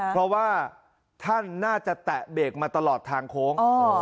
เพราะว่าท่านน่าจะแตะเบรกมาตลอดทางโค้ง